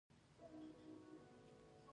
لامل يې دا و چې له دې کار سره نااشنا وو.